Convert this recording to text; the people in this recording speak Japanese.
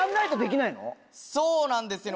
・そうなんですよ。